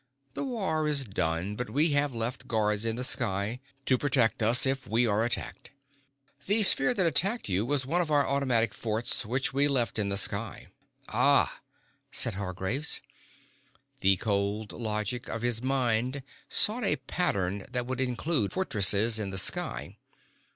The war is done but we have left guards in the sky to protect us if we are attacked. The sphere that attacked you was one of our automatic forts which we had left in the sky." "Ah!" said Hargraves. The cold logic of his mind sought a pattern that would include fortresses in the sky.